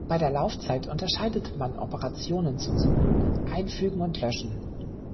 Bei der Laufzeit unterscheidet man Operationen zum Suchen, Einfügen und Löschen.